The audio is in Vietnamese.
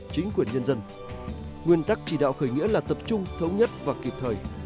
chính quyền nhân dân nguyên tắc chỉ đạo khởi nghĩa là tập trung thống nhất và kịp thời